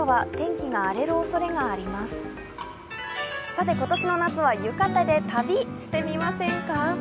さて、今年の夏は浴衣で旅してみませんか？